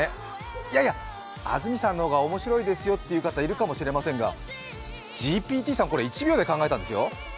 いやいや、安住さんの方が面白いですよっていう方いるかもしれませんが、ＧＰＴさんこれ１秒で考えたんですよ。